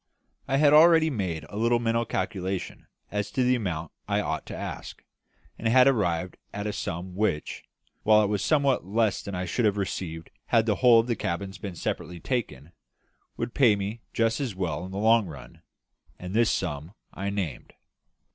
I had already made a little mental calculation as to the amount I ought to ask, and had arrived at a sum which, while it was somewhat less than I should have received had the whole of the cabins been separately taken, would pay me just as well in the long run; and this sum I named.